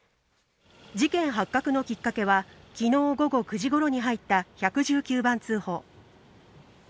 事件発覚のきっかけは、きのう午後９時ごろに入った１１９番通報。